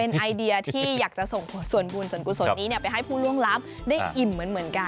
ไอเดียที่อยากจะส่งส่วนบุญส่วนกุศลนี้ไปให้ผู้ล่วงลับได้อิ่มเหมือนกัน